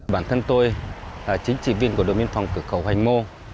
bản thân tôi là chính trị viên của đội biên phòng cửa cầu hoành mô